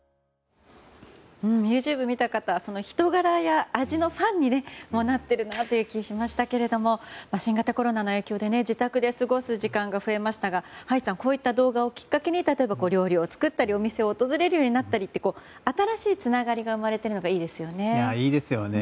ＹｏｕＴｕｂｅ見た方人柄や味のファンにもなっている気がしましたけども新型コロナの影響で自宅で過ごす時間が増えましたが葉一さん、こういう動画をきっかけに料理を作るようになったりお店を訪れるようになったり新しいつながりが生まれているのがいいですよね。